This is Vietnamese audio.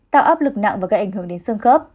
tạo áp lực nặng và gây ảnh hưởng đến xương khớp